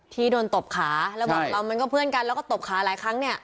ที่โดนตบขาแล้วบอกเรามันก็เพื่อนกันแล้วก็ตบขาหลายครั้งเนี่ย